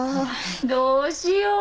どうしよう。